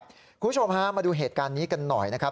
คุณผู้ชมฮะมาดูเหตุการณ์นี้กันหน่อยนะครับ